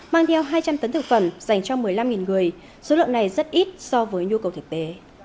mang theo hai trăm linh tấn thực phẩm dành cho một mươi năm người số lượng này rất ít so với nhu cầu thực tế